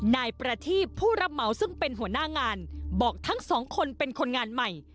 นายประทีบผู้รับเหมาซึ่งเป็นหัวหน้างานบอกทั้งสองคนเป็นคนงานใหม่